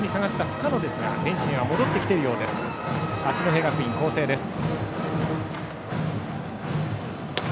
八戸学院光星です。